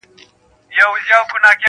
سپینو پلوشو یې باطل کړي منترونه دي-